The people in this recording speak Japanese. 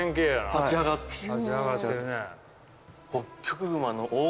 立ち上がってるね。